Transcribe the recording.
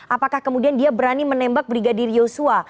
apakah kemudian dia berani menembak brigadir yosua